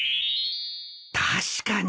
確かに。